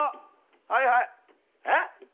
はいはいえ？